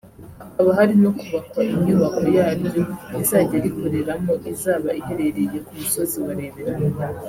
hakaba hari no kubakwa inyubako yaryo rizajya rikoreramo izaba iherereye ku musozi wa Rebero